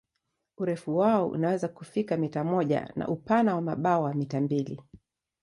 Urefu wao unaweza kufika mita moja na upana wa mabawa mita mbili.